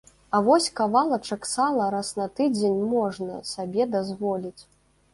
А вось кавалачак сала раз на тыдзень можна сабе дазволіць.